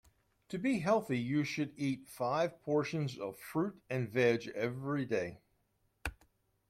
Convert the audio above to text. To be healthy you should eat five portions of fruit and veg every day